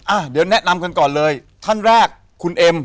อ่ะเดี๋ยวแนะนำกันก่อนเลยท่านแรกคุณเอ็ม